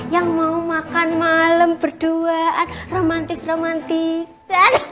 yang mau makan malem berduaan romantis romantis